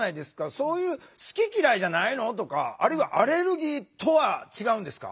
そういう「好き嫌いじゃないの？」とかあるいはアレルギーとは違うんですか？